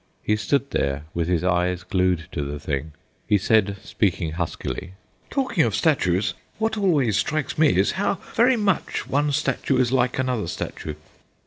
He stood there with his eyes glued to the thing. He said, speaking huskily: "Talking of statues, what always strikes me is how very much one statue is like another statue."